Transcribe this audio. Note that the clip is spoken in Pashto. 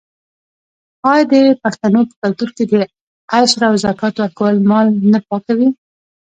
آیا د پښتنو په کلتور کې د عشر او زکات ورکول مال نه پاکوي؟